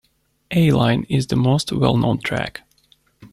"A-Line" is the most well-known track.